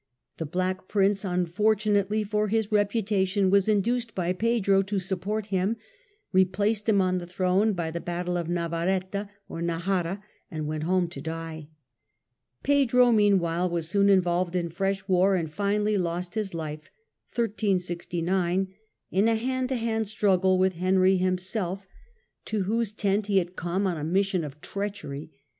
The Black Prince, unfortunately for his reputation, was induced by Pedro to support him, replaced him on the throne by the battle of Navaretta or Najara, and went home to die. Pedro, meanwhile, was soon involved in fresh war and finally lost his life in a hand to hand struggle with Henry himself, to whose THE SPANISH PENINSULA 247 tent he had come on a mission of treachery.